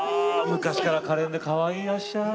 昔からかれんでかわいらしい。